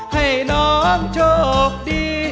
ให้น้องโชคดี